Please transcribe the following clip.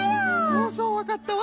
「ああそうわかったわ」。